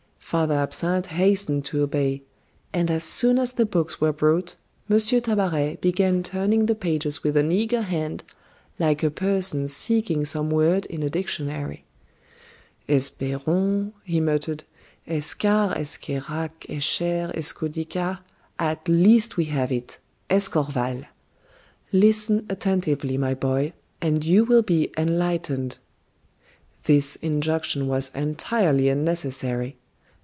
Father Absinthe hastened to obey; and as soon as the books were brought, M. Tabaret began turning the pages with an eager hand, like a person seeking some word in a dictionary. "Esbayron," he muttered, "Escars, Escayrac, Escher, Escodica at last we have it Escorval! Listen attentively, my boy, and you will be enlightened." This injunction was entirely unnecessary.